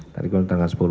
tadi kan tanggal sepuluh